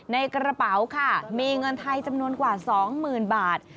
ในกระเป๋าค่ะมีเงินไทยจำนวนกว่า๒๐๐๐บาท